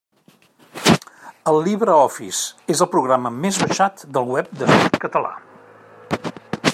El LibreOffice és el programa més baixat del web de Softcatalà.